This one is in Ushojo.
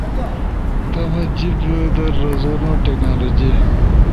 تمو جیب در رزونو ٹیکنالوجی